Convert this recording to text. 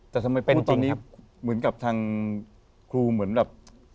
แต่ทำไมเป็นตอนนี้เหมือนกับทางครูเหมือนแบบ